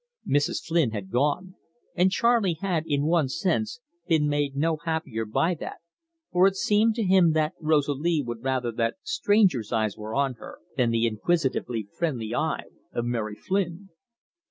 Mrs. Flynn had gone, and Charley had, in one sense, been made no happier by that, for it seemed to him that Rosalie would rather that strangers' eyes were on her than the inquisitively friendly eye of Mary Flynn.